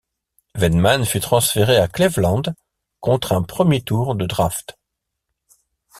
Wedman fut transféré à Cleveland contre un premier tour de draft.